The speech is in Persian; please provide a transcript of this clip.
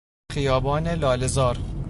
خیابان لالهزار